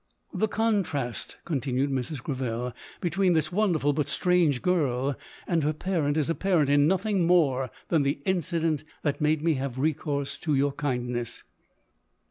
" The contrast," continued Mrs. Greville, " between this wonderful, but strange girl, and her parent, is apparent in nothing more than the incident that made me have recourse to your kindness.